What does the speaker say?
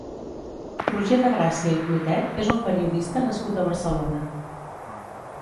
Roger de Gràcia i Clotet és un periodista nascut a Barcelona.